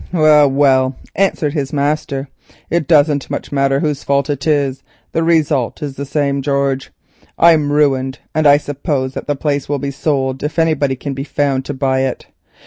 "Well, well," answered his master, "it doesn't much matter whose fault it is, the result is the same, George; I'm ruined, and I suppose that the place will be sold if anybody can be found to buy it.